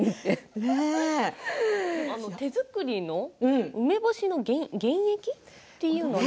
手作りの梅干しの原液？っていうのを。